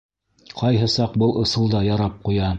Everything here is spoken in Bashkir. Ҡайһы саҡ был ысул да ярап ҡуя.